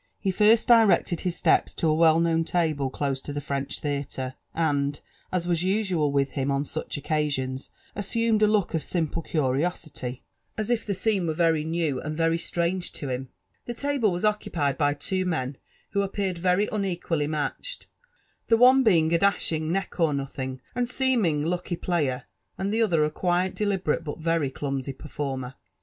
He first directed his steps lo a well known table close to the French theatre; and, as was usual with him on such occasions, assuflit;d a look of simple curiosity, as if the scene were very new and very Ml iJm AND ADVlNTUItBfl OF 9)faiige to him/ The table was ooeupied by two bkhi vM afifMMkl tery unequally ihatohed; the one being a dashing, Deek«*Of« nolbiRg, and seeming lueky player; and the other, a qui«t» deliberate, but very dumsy performer.